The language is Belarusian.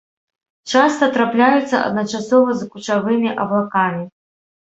Часта трапляюцца адначасова з кучавымі воблакамі.